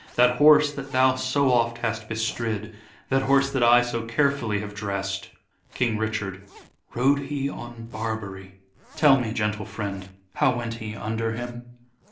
That horse that thou so oft hast bestrid, That horse that I so carefully have dress 'd. King Richard : Rode he on Barbary ? Tell me, gentle friend, How went he under him